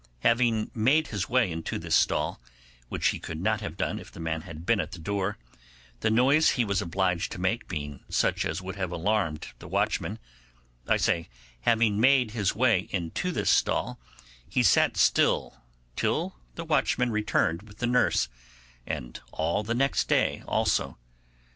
Having made his way into this stall, which he could not have done if the man had been at the door, the noise he was obliged to make being such as would have alarmed the watchman; I say, having made his way into this stall, he sat still till the watchman returned with the nurse, and all the next day also.